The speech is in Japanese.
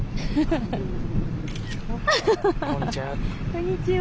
こんにちは。